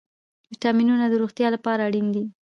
ویټامینونه د روغتیا لپاره اړین دي